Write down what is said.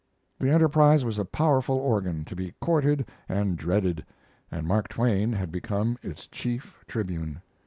The Enterprise was a powerful organ to be courted and dreaded and Mark Twain had become its chief tribune.